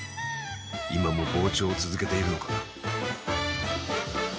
今も膨張を続けているのか。